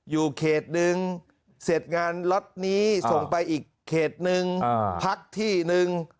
อยู่เขตหนึ่งเสร็จงานล็อตนี้ส่งไปอีกเขตนึงพักที่หนึ่ง